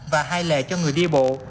và hai lề cho người đi bộ